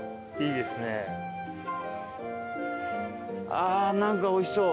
あ何かおいしそう。